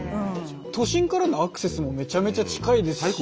都心からのアクセスもめちゃめちゃ近いですし。